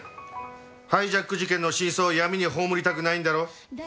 ハイジャック事件の真相を闇に葬りたくないんだろ？